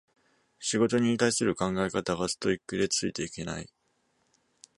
仕事に対する考え方がストイックでついていけない